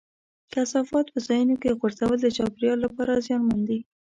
کثافات په ځایونو کې غورځول د چاپېریال لپاره زیانمن دي.